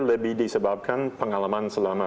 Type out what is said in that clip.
lebih disebabkan pengalaman selama